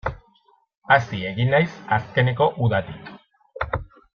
Hazi egin naiz azkeneko udatik.